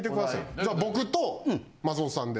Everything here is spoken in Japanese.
じゃあ僕と松本さんで。